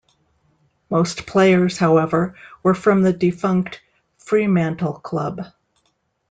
Most players, however, were from the defunct Fremantle club.